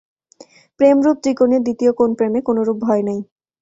প্রেমরূপ ত্রিকোণের দ্বিতীয় কোণ প্রেমে কোনরূপ ভয় নাই।